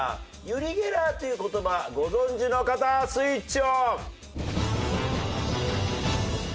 ユリ・ゲラーっていう言葉ご存じの方はスイッチオン！